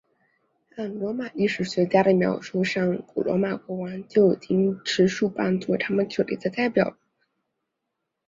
按罗马历史学家的描述上古罗马国王就已经持束棒作为他们权力的代表了。